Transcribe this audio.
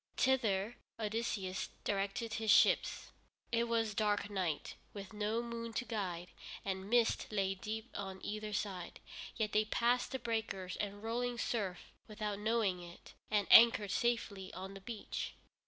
Thither Odysseus directed his ships. It was dark night, with no moon to guide, and mist lay deep on either side, yet they passed the breakers and rolling surf without knowing it, and anchored safely on the beach.